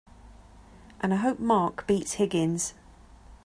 And I hope Mark beats Higgins!